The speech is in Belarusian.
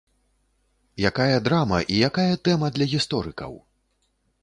Якая драма і якая тэма для гісторыкаў!